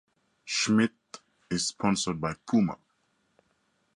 Schmidt is sponsored by Puma.